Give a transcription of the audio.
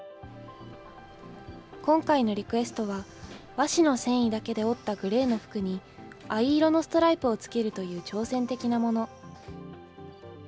今回のリクエストは、和紙の繊維だけで織ったグレーの服に藍色のストライプをつけるという挑戦的なもの。